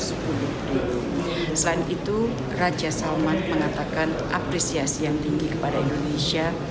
selain itu raja salman mengatakan apresiasi yang tinggi kepada indonesia